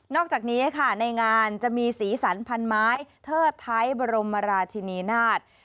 นอกจากนี้ในงานจะมีศรีสรรพันธ์ไม้เทอดไทยบรมราชินินาท